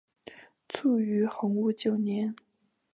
卒于洪武九年。